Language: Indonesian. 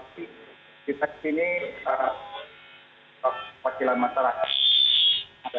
tapi di seks ini perwakilan masyarakat sudah hadir